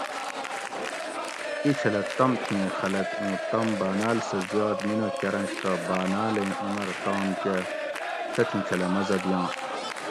ایچھلہ تم تھیں خلک اُوں تم باۤناۤل سہ زیات مینہ کرنش تہ باۤناۤلیں عمر تام کہ تتھیں چھلہ مزہ دیاں